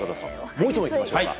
もう１問いきましょうか。